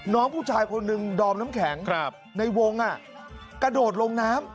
น้องผู้ชายคนหนึ่งดอมน้ำแข็งในวงกระโดดลงน้ำ